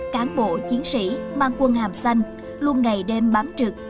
cáng bộ chiến sĩ bang quân hàm xanh luôn ngày đêm bám trực